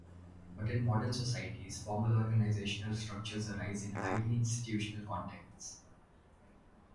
But in modern societies, formal organizational structures arise in highly institutional contexts.